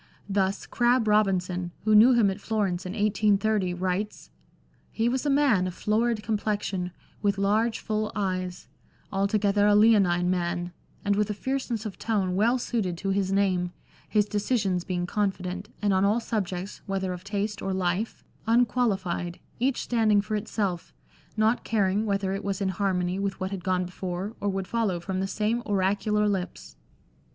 Thus, Crabbe Robinson, who knew him at Florence in 1830, writes —" He was a man of florid complexion, with large, full eyes ; altogether a 'leonine' man, and with a fierceness of tone well suited to his name ; his decisions being confident, and on all subjects, whether of taste or life, unqualified, each standing for LANDOR. XV itself, not caring whether it was in harmony with what had gone before, or would follow from the same oracular lips."